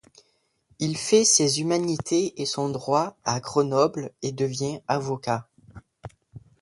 Il fait ses humanités et son droit à Grenoble, et devient avocat.